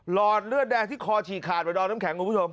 อดเลือดแดงที่คอฉีกขาดไปดอมน้ำแข็งคุณผู้ชม